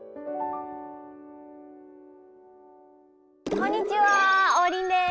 こんにちは王林です。